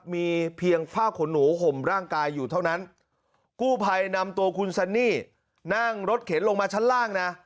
มีเพียงผ้าขนหนูห่มร่างกายอยู่เท่านั้นกู้ภัยนำตัวคุณซันนี่นั่งรถเข็นลงมาชั้นล่างนะ